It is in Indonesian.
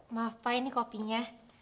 maaf pak ini kopinya